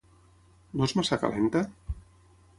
No és massa calenta?